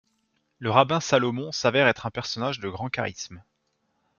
Le rabbin Salomon s'avère être un personnage de grand charisme.